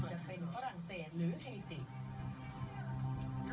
จะเป็นฝรั่งเซียนหรือเฮที